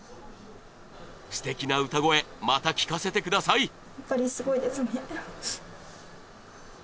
すてきな歌声また聴かせてください